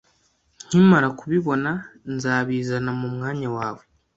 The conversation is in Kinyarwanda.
Nkimara kubibona, nzabizana mu mwanya wawe